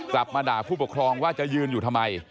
กลับมาด่าผู้ปกครองว่าจะยืนอยู่ทำไม